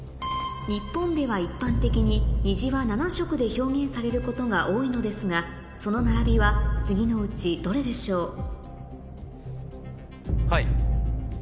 日本では一般的に虹は７色で表現されることが多いのですがその並びは次のうちどれでしょう？